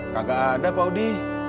kagak ada pak odi